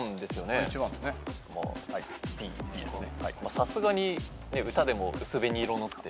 さすがに歌でも「薄紅色の」って歌ってるし。